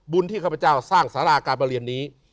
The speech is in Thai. บุญที่ข้าพเจ้าสร้างศาลาการเปลี่ยนนี้